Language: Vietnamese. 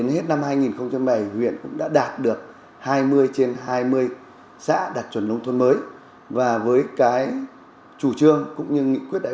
hướng tới hướng tới